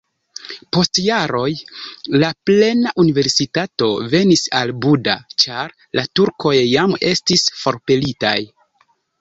Post jaroj la plena universitato venis al Buda, ĉar la turkoj jam estis forpelitaj.